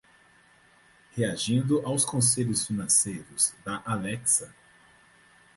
Reagindo aos conselhos financeiros da Alexa